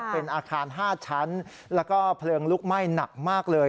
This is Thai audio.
เป็นอาคาร๕ชั้นแล้วก็เพลิงลุกไหม้หนักมากเลย